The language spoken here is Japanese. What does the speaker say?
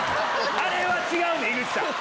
あれは違うねん井口さん。